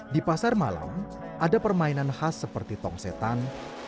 di pasar malam ada permainan khas seperti tong setan